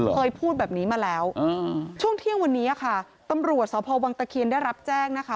เคยพูดแบบนี้มาแล้วช่วงเที่ยงวันนี้ค่ะตำรวจสพวังตะเคียนได้รับแจ้งนะคะ